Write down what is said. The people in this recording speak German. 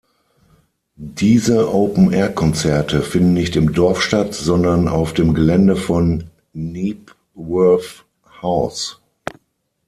Diese Open-Air-Konzerte finden nicht im Dorf statt, sondern auf dem Gelände von Knebworth House.